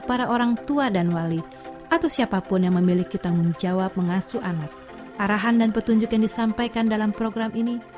arahannya dan petunjuk yang disampaikan dalam program ini